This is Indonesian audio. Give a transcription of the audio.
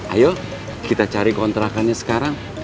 ayo kita cari kontrakannya sekarang